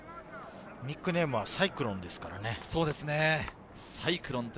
ニックネームはサイクロンですからね。